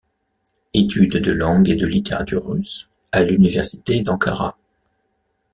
Études de langue et de littérature russes à l’Université d’Ankara.